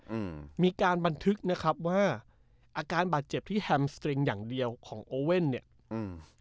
อืมมีการบันทึกนะครับว่าอาการบาดเจ็บที่แฮมสตริงอย่างเดียวของโอเว่นเนี้ยอืม